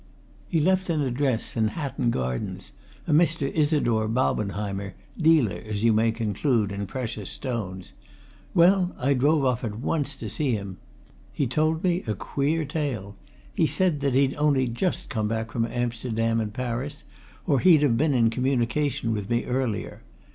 He left an address, in Hatton Garden a Mr. Isidore Baubenheimer, dealer, as you may conclude, in precious stones. Well, I drove off at once to see him. He told me a queer tale. He said that he'd only just come back from Amsterdam and Paris, or he'd have been in communication with me earlier.